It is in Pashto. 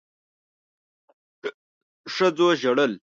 ښځو ژړل